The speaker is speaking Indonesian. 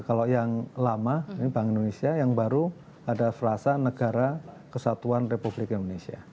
kalau yang lama ini bank indonesia yang baru ada frasa negara kesatuan republik indonesia